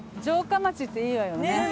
城下町っていいわよね。